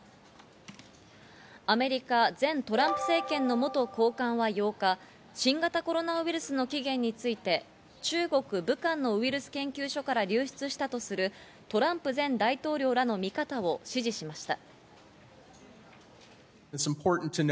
アメリカ・トランプ前政権の元高官は８日、新型コロナウイルスの起源について中国・武漢のウイルス研究所から流出したとするトランプ前大統領らの見方を支持しました。